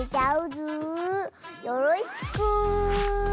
よろしく！